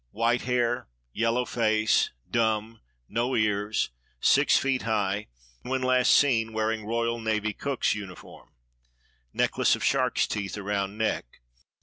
White hair; yellow face; dumb; no ears; six feet high; when last seen wearing royal navy cook's uniform. Necklace of sharks' teeth around neck.